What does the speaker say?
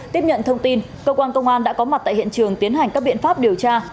tiếp nhận thông tin cơ quan công an đã có mặt tại hiện trường tiến hành các biện pháp điều tra